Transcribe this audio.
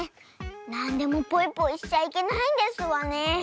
なんでもポイポイしちゃいけないんですわね。